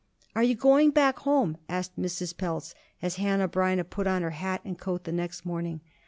"Are you going back home?" asked Mrs. Pelz as Hanneh Breineh put on her hat and coat the next morning.